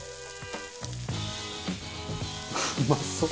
うまそう！